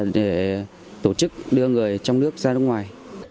để tổ chức đưa người trong nước ra nước ngoài